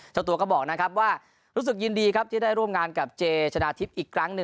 เจ้าตัวก็บอกนะครับว่ารู้สึกยินดีครับที่ได้ร่วมงานกับเจชนะทิพย์อีกครั้งหนึ่ง